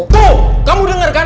tuh kamu denger kan